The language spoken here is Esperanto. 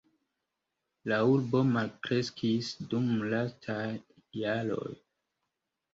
La urbo malkreskis dum lastaj jaroj.